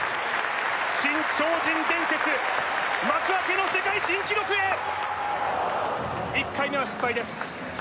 新超人伝説幕開けの世界新記録へ１回目は失敗です